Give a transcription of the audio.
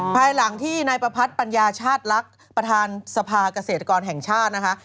ภายหลังที่นายประพัทธปัญญาชาติลักษณ์ประธานสภาเกษตรกรแห่งชาตินะคะ